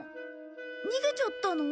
逃げちゃったの？